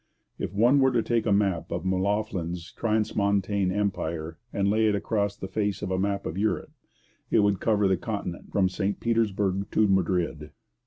If one were to take a map of M'Loughlin's transmontane empire and lay it across the face of a map of Europe, it would cover the continent from St Petersburg to Madrid.